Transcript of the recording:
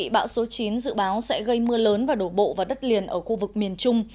bão số chín dự báo sẽ gây mưa lớn và đổ bộ vào đất liền ở khu vực miền trung